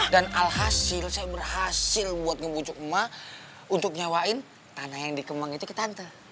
dan alhasil saya berhasil buat ngebujuk emak untuk nyawain tanah yang dikembang itu ke tante